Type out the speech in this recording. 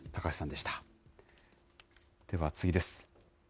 では次です。